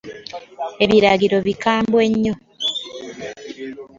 Ebiragiro bikambwe nnyo.